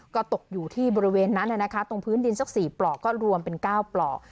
ก็ตกอยู่ที่บริเวณนั้นแหละนะคะตรงพื้นดินซักสี่ปลอกก็รวมเป็นเก้าปลอก